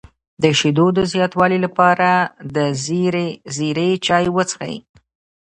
د شیدو د زیاتوالي لپاره د زیرې چای وڅښئ